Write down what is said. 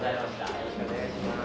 よろしくお願いします。